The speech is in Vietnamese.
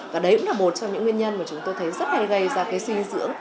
và đấy cũng là một trong những nguyên nhân mà chúng tôi thấy rất hay gây ra cái suy dưỡng